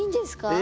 え？